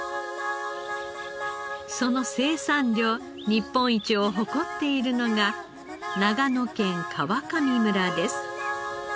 その生産量日本一を誇っているのが長野県川上村です。